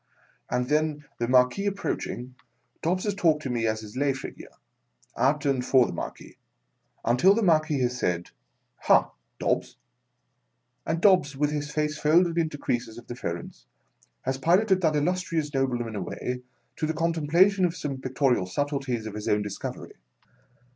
And then, tHe Marquia approaching, Dobbs has talked to me as his lay figure, at and for the Marquis, until the Marquis has said, " Ha, Dobbs ?" and Dobbs, with his face folded into creases of deference, has piloted that illustrious nobleman away, to the contemplation of some pictorial subtleties VOL. XL 270 386 HOUSEHOLD WOEDS. [Conducted by of his own discovery.